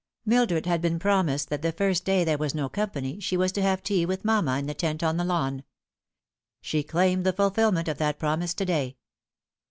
Mildred had been promised that the first day there was no company she was to have tea with mamma in the tent on the lawn. She claimed the fulfil ment of that promise to day.